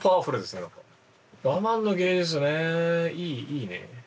いいね。